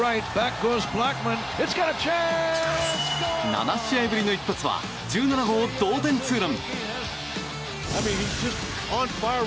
７試合ぶりの一発は１７号同点ツーラン！